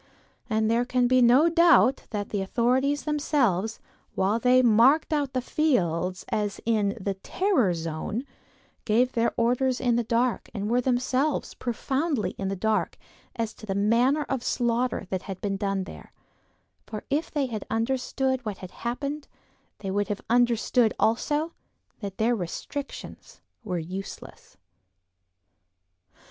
And there can be no doubt that the authorities themselves, while they marked out the fields as in the "terror zone," gave their orders in the dark and were themselves profoundly in the dark as to the manner of the slaughter that had been done there; for if they had understood what had happened, they would have understood also that their restrictions were useless.